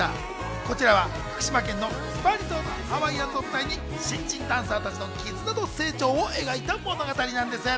こちらは福島県のスパリゾートハワイアンズを舞台に新人ダンサーたちの絆と成長を描いた物語なんです。